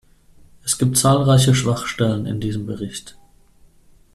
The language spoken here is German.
Es gibt zahlreiche Schwachstellen in diesem Bericht.